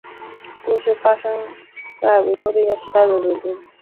故事发生在维多利亚时代的伦敦。